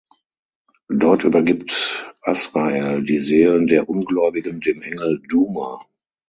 Dort übergibt Azrael die Seelen der Ungläubigen dem Engel Duma.